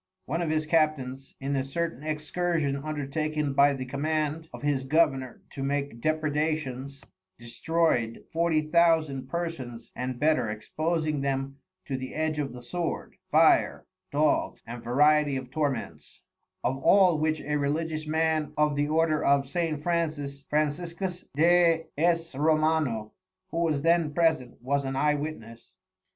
One of his Captains in a certain Excursion undertaken by the Command of his Governeur to make Depraedations, destroy'd Forty Thousand Persons and better exposing them to the edge of the Sword, Fire, Dogs and variety of Torments; of all which a Religious Man of the Order of St. Francis, Franciscus de S. Romano, who was then present was an Eye Witness.